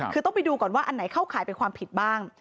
คือต้องไปดูก่อนว่าอันไหนเข้าข่ายเป็นความผิดบ้าง